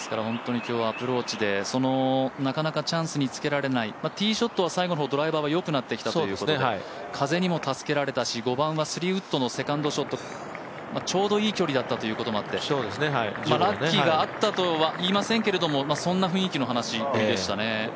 本当に今日、いいアプローチでなかなかチャンスにつけられないティーショットは最後のほうドライバーは良くなってきたということで風にも助けられたし、５番はスリーウッドのセカンドショットちょうどいい距離だったということもあってラッキーがあったとはいいませんけどそんな雰囲気の話でしたね。